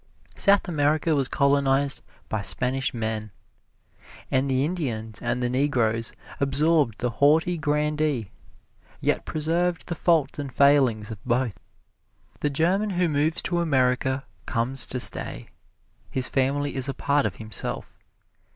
South America was colonized by Spanish men. And the Indians and the Negroes absorbed the haughty grandee, yet preserved the faults and failings of both. The German who moves to America comes to stay his family is a part of himself.